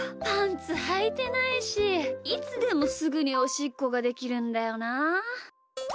パンツはいてないしいつでもすぐにおしっこができるんだよなあ。